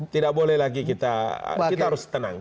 tidak boleh lagi kita harus tenang